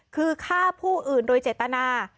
คือฆ่าผู้อื่นโดยเจตนา